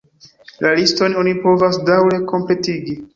La liston oni povas daŭre kompletigi.